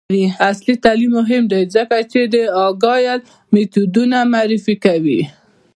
عصري تعلیم مهم دی ځکه چې د اګایل میتودونه معرفي کوي.